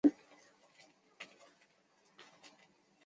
期间多话的麦克斯向乔治透露是受友人之托来杀对象。